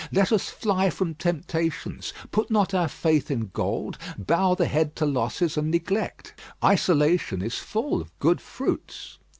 Let us fly from temptations; put not our faith in gold; bow the head to losses and neglect. Isolation is full of good fruits.